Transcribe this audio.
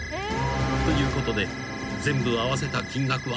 ［ということで全部合わせた金額はゼロ円］